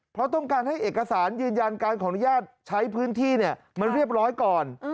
เพราะต้องการให้เอกสารยืนยันการขออนุญาตใช้พื้นที่มันเรียบร้อยก่อน